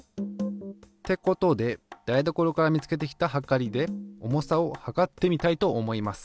ってことで台所から見つけてきたはかりで重さを量ってみたいと思います。